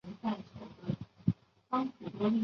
米拉山灯心草为灯心草科灯心草属的植物。